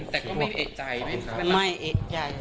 แต่ก็ไม่เอะใจนะครับ